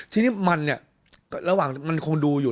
ทีนี้มันเนี่ยระหว่างมันคงดูอยู่